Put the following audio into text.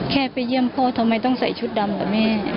แค่ไปเยี่ยมพ่อทำไมต้องใส่ชุดดำกับแม่